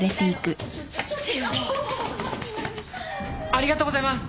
ありがとうございます！